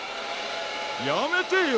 やめてよ！